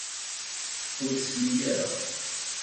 Ur tesli ara.